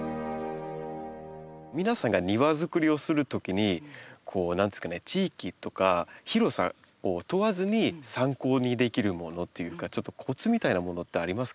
皆さんが庭づくりをするときに何ですかね地域とか広さを問わずに参考にできるものっていうかちょっとコツみたいなものってありますか？